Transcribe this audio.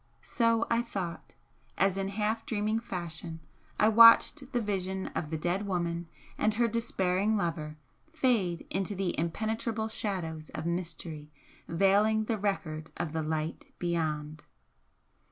So I thought, as in half dreaming fashion I watched the vision of the dead woman and her despairing lover fade into the impenetrable shadows of mystery veiling the record of the light beyond.